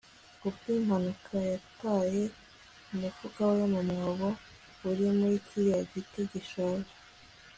ku bwimpanuka yataye umufuka we mu mwobo uri muri kiriya giti gishaje